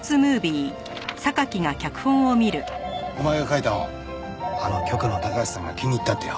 お前が書いた本あの局の高橋さんが気に入ったってよ。